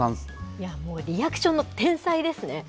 いやもう、リアクションの天才ですね。